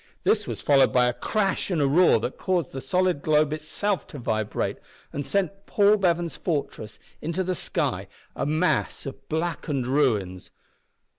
This was followed by a crash and a roar that caused the solid globe itself to vibrate and sent Paul Bevan's fortress into the sky a mass of blackened ruins.